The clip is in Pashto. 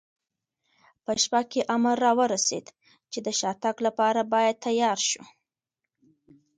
په شپه کې امر را ورسېد، چې د شاتګ لپاره باید تیار شو.